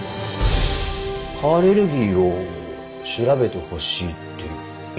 蚊アレルギーを調べてほしいって言ったんですよね？